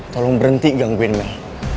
tolong berhenti gangguin mel